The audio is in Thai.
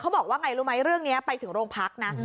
บอกว่าไงรู้ไหมเรื่องนี้ไปถึงโรงพักนะ